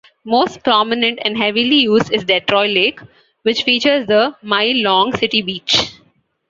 Most prominent and heavily used is Detroit Lake, which features the mile-long city beach.